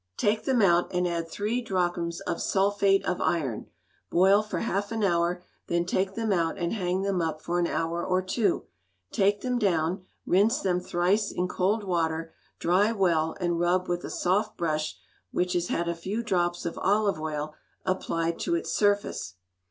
Take them out, and add three drachms of sulphate of iron; boil for half an hour, then take them out and hang them up for an hour or two; take them down, rinse them thrice in cold water, dry well, and rub with a soft brush which has had a few drops of olive oil applied to its surface.